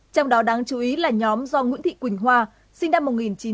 trong đó đáng chú ý là nhóm do nguyễn thị quỳnh hoa sinh năm một nghìn chín trăm tám mươi